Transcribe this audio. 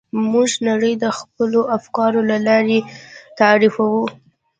موږ نړۍ د خپلو افکارو له لارې تعریفوو.